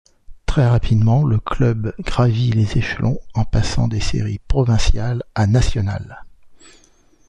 Très rapidement, le club gravit les échelons en passant des séries provinciales à nationales.